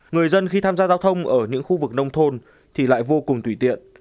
người dân khi tham gia giao thông ở những khu vực nông thôn thì lại vô cùng tùy tiện